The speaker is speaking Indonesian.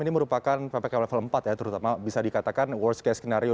ini merupakan ppkm level empat ya terutama bisa dikatakan worst case skenario